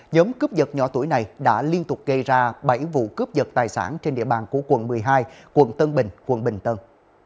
nhóm cướp giật nhỏ tuổi này đã liên tục gây ra bảy vụ cướp giật tài sản trên địa bàn của quận một mươi hai quận tân bình quận bình tân